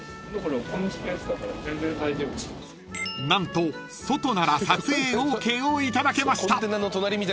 ［何と外なら撮影ＯＫを頂けました］